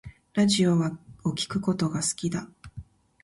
ラジオを聴くことが好きだ